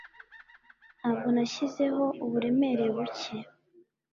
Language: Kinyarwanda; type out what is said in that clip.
Ntabwo nashyizeho uburemere buke.